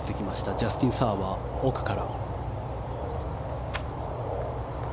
ジャスティン・サーは奥から。